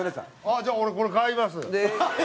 じゃあ、俺、これ買います。